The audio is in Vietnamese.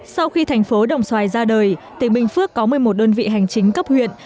sau khi thành phố đồng xoài ra đời tỉnh bình phước có một mươi một đơn vị hành chính cấp huyện